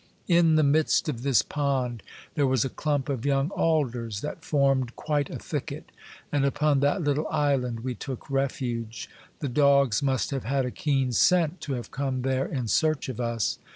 In the midst of this pond there was a clump of young alders, that formed quite a thicket, and upon that little island we took refuge. The dogs must have had a keen scent to have come there in search of us.